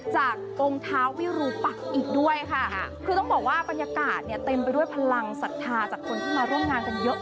องค์เท้าวิรูปักอีกด้วยค่ะคือต้องบอกว่าบรรยากาศเนี่ยเต็มไปด้วยพลังศรัทธาจากคนที่มาร่วมงานกันเยอะ